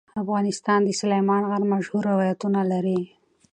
افغانستان د سلیمان غر مشهور روایتونه لري.